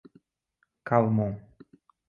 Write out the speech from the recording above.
Calmon